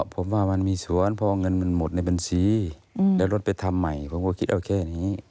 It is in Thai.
ผมว่ามันมีสวนพอเงินมันหมดในบัญชีแล้วรถไปทำใหม่ผมก็คิดเอาแค่นี้